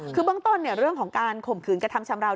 คือเบื้องต้นเรื่องของการข่มขืนกระทำชำราว